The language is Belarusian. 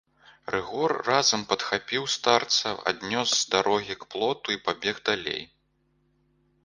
Рыгор разам падхапіў старца, аднёс з дарогі к плоту і пабег далей.